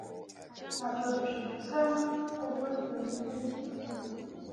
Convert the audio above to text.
Ntabwo dushaka kugutera ikibazo.